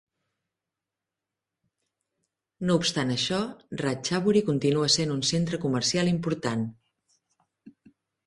No obstant això, Ratchaburi continua sent un centre comercial important.